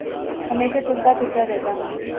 ہمیشہ چلتا پھرتا رہتا ہوں